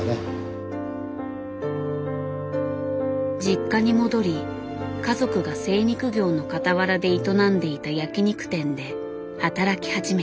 実家に戻り家族が精肉業のかたわらで営んでいた焼き肉店で働き始めた。